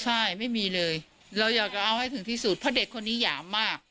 ใช่ไม่มีเลยเราอยากจะเอาให้ถึงที่สุดเพราะเด็กคนนี้หยามมาก